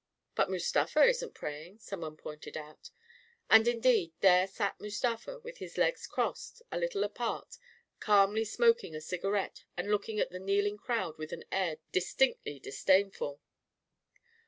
" But Mustafa isn't praying," someone pointed out; and indeed there sat Mustafa with his legs crossed, a little apart, calmly smoking a cigarette and looking at the kneeling crowd with an air dis tinctly disdainful.